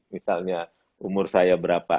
misalnya umur saya berapa